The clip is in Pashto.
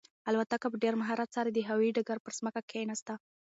الوتکه په ډېر مهارت سره د هوايي ډګر پر ځمکه کښېناسته.